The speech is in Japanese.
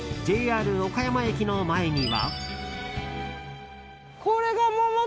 ＪＲ岡山駅の前には。